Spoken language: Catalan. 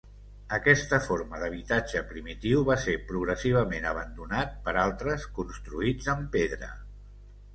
Aquesta forma d'habitatge primitiu va ser progressivament abandonat per altres construïts en pedra.